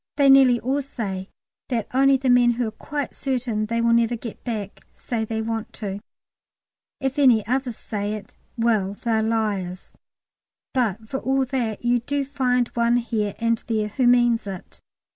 They nearly all say that only the men who are quite certain they never will get back, say they want to. If any others say it, "well, they're liars." But for all that, you do find one here and there who means it.